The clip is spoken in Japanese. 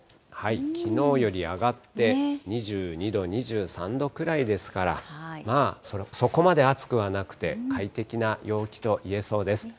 きのうより上がって、２２度、２３度くらいですから、まあ、そこまで暑くはなくて、快適な陽気と言えそうです。